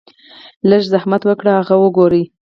لږ زحمت اوکړئ هغه اوګورئ -